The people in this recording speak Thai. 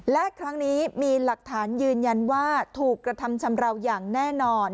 และครั้งนี้มีหลักฐานยืนยันว่าถูกกระทำชำราวอย่างแน่นอน